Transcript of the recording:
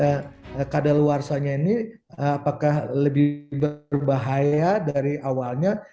pertanyaannya kadeluarsanya ini apakah lebih berbahaya dari awalnya